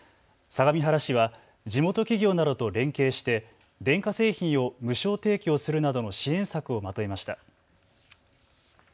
相模原市は地元企業などと連携して電化製品を無償提供するなどの支援策をまとめました。